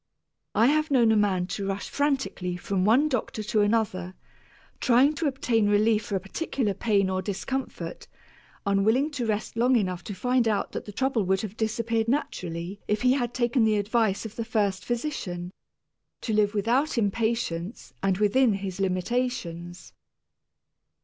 I have known a man to rush frantically from one doctor to another, trying to obtain relief for a particular pain or discomfort, unwilling to rest long enough to find out that the trouble would have disappeared naturally if he had taken the advice of the first physician, to live without impatience and within his limitations.